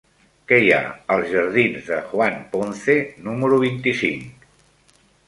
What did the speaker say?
Què hi ha als jardins de Juan Ponce número vint-i-cinc?